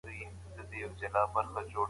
خپلواکي د هر ملت حق دی.